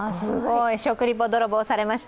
食リポ泥棒されました。